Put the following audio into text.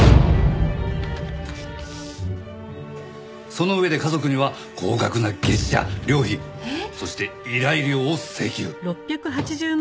その上で家族には高額な月謝寮費そして依頼料を請求。